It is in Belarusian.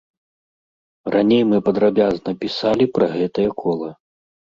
Раней мы падрабязна пісалі пра гэтае кола.